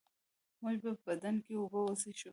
موږ په بدنۍ کي اوبه څښو.